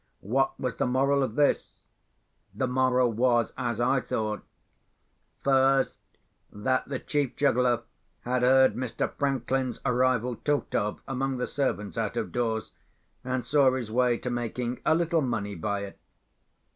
What was the moral of this? The moral was, as I thought: First, that the chief juggler had heard Mr. Franklin's arrival talked of among the servants out of doors, and saw his way to making a little money by it.